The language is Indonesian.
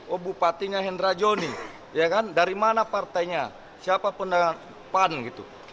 oh bupatinya hendra joni ya kan dari mana partainya siapa pendapatan